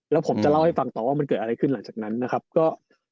แล้วผมจะเล่าให้ฟังต่อว่ามันเกิดอะไรขึ้นหลังจากนั้นนะครับก็